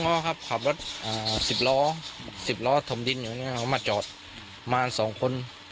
พวกน้องก็ขับรถ๑๐ล้อสิบล้อธมดินมาจอดมา๒คน